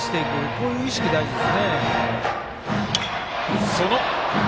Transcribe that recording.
こういう意識、大事ですね。